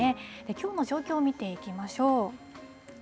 きょうの状況を見ていきましょう。